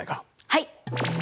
はい。